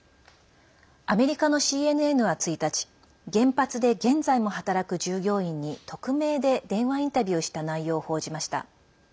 アメリカのＣＮＮは１日原発で現在も働く従業員に匿名で電話インタビューした内容を報じました。